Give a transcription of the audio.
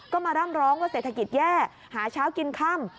ก็มาร่ำร้องว่าเศรษฐกิจแย่หาเช้ากินค่ำ